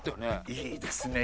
いいですね。